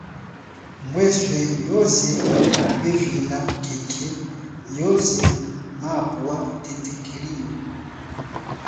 Mweswe yoze mevila khekhe yoze mapwa thethekeli yo.